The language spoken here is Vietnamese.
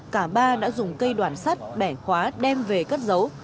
cả ba đã dùng cây đoàn sắt bẻ khóa đem về cất giấu